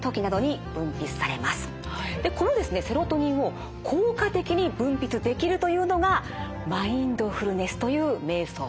セロトニンを効果的に分泌できるというのがマインドフルネスというめい想法なんです。